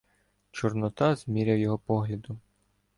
Чорнота зміряв його поглядом.